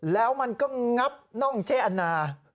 แล้วมันก็งับน่องเจ๊แอนนา